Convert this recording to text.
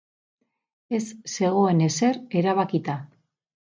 Ez zegoen ezer erabakita.